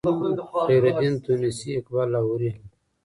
خیرالدین تونسي اقبال لاهوري هم